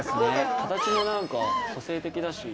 形も個性的だし。